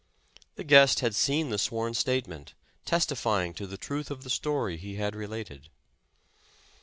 The guest had seen the sworn statement, testi fying to the truth of the story he had related.